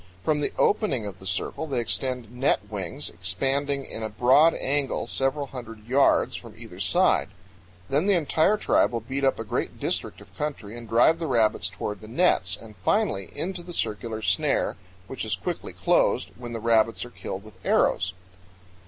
From the opening of the circle they extend net wings, expanding in a broad angle several hundred yards from either side. Then the entire tribe will beat up a great district of country and drive the rabbits toward the nets, and finally into 106 CANYONS OF THE COLORADO. the circular snare, which is quickly closed, when the rabbits are killed with arrows.